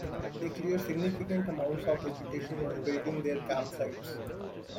They clear significant amounts of vegetation while building their campsites.